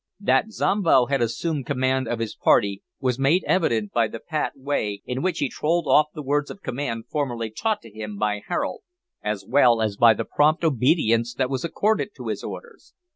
That Zombo had assumed command of his party was made evident by the pat way in which he trolled off the words of command formerly taught to him by Harold, as well as by the prompt obedience that was accorded to his orders.